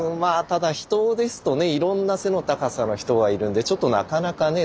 ただ人ですとねいろんな背の高さの人がいるんでなかなかね